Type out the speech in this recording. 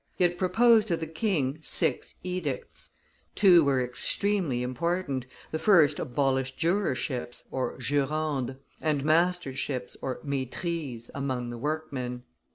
He had proposed to the king six edicts; two were extremely important; the first abolished jurorships (jurandes) and masterships (maitrises) among the workmen.